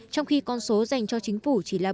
trong khi con số dành cho chính phủ chỉ là bốn mươi hai